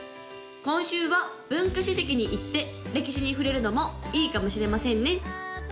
今週は文化史跡に行って歴史に触れるのもいいかもしれませんね